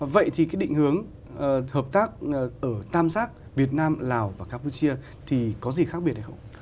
vậy thì cái định hướng hợp tác ở tam giác việt nam lào và campuchia thì có gì khác biệt hay không